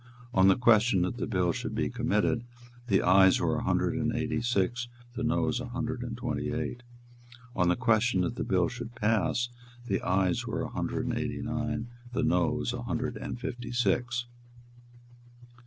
On the question that the bill should be committed, the Ayes were a hundred and eighty six, the Noes a hundred and twenty eight. On the question that the bill should pass, the Ayes were a hundred and eighty nine, the Noes a hundred and fifty six.